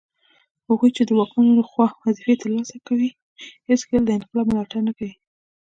هغوی چي د واکمنو لخوا وظیفې ترلاسه کوي هیڅکله د انقلاب ملاتړ نه کوي